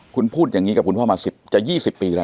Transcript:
คุณพูดอย่างนี้กับคุณพ่อมา๑๐จะ๒๐ปีแล้ว